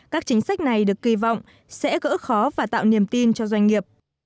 các chính sách này được kỳ vọng sẽ gỡ khó và tạo niềm tin cho doanh nghiệp